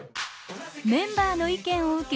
メンバーの意見を受け